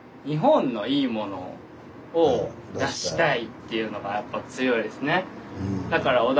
というのがやっぱ強いですね。